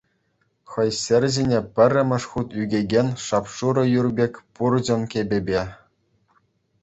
Хӑй ҫӗр ҫине пӗрремӗш хут ӳкекен шап-шурӑ юр пек пурҫӑн кӗпепе.